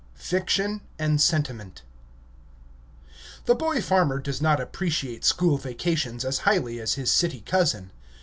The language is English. FICTION AND SENTIMENT The boy farmer does not appreciate school vacations as highly as his city cousin.